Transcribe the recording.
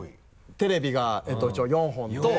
テレビが一応４本と。